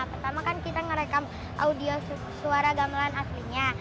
pertama kan kita ngerekam audio suara gamelan aslinya